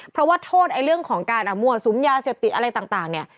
เพราะว่าโทษเรื่องของการมั่วสุมยาเสพติดอะไรต่างเนี่ย